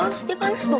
panas dia panas tuh